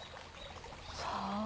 さあ。